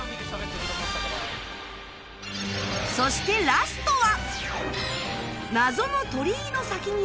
そしてラストは